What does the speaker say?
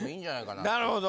なるほど。